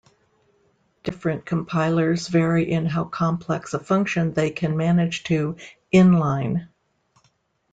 Different compilers vary in how complex a function they can manage to inline.